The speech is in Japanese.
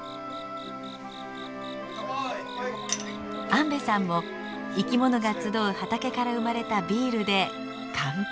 安部さんも生きものが集う畑から生まれたビールで乾杯。